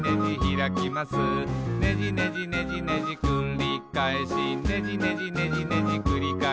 「ねじねじねじねじくりかえし」「ねじねじねじねじくりかえし」